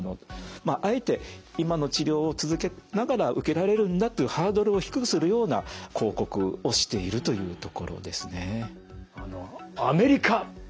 まああえて今の治療を続けながら受けられるんだというハードルを低くするような広告をしているというところですね。